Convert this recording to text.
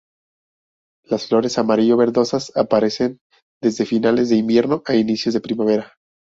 Las flores amarillo-verdosas aparecen desde finales de invierno a inicios de primavera.